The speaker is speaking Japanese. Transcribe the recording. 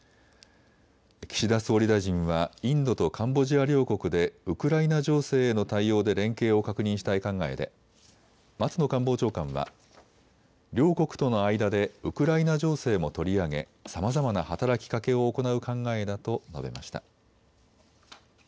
岸田総理大臣はインドとカンボジア両国でウクライナ情勢への対応で連携を確認したい考えで松野官房長官は、両国との間でウクライナ情勢も取り上げ、さまざまな働きかけを行う考えだと述べました。